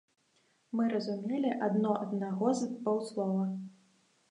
Мы разумелі адно аднаго з паўслова.